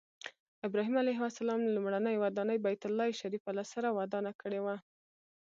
ابراهیم علیه السلام لومړنۍ ودانۍ بیت الله شریفه له سره ودانه کړې وه.